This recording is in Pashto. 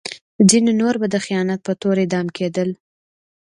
ځینې نور به د خیانت په تور اعدام کېدل.